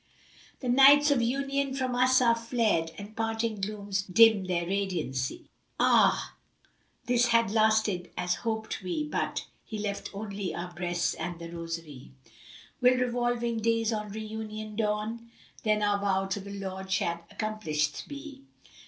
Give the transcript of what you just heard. The nights of Union from us are fled * And parting glooms dim their radiancy; Ah! had this lasted as hopčd we, but * He left only our breasts and the rosery. Will revolving days on Re union dawn? * Then our vow to the Lord shall accomplisht be.